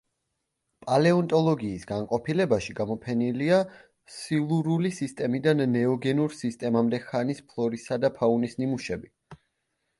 პალეონტოლოგიის განყოფილებაში გამოფენილია სილურული სისტემიდან ნეოგენურ სისტემამდე ხანის ფლორისა და ფაუნის ნიმუშები.